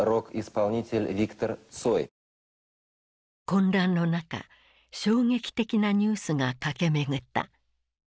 混乱の中衝撃的なニュースが駆け巡った。